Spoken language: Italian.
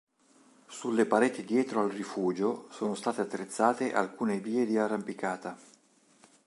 Sulle pareti dietro al rifugio sono state attrezzate alcune vie di arrampicata.